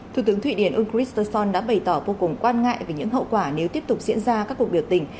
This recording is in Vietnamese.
thủ tướng thụy điển ún christensen đã bày tỏ vô cùng quan ngại về những hậu quả nếu tiếp tục diễn ra các cuộc biểu tình